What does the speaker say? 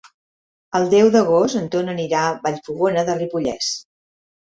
El deu d'agost en Ton anirà a Vallfogona de Ripollès.